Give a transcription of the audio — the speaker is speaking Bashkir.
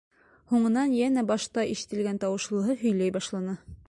Һуңынан йәнә башта ишетелгән тауышлыһы һөйләй башланы.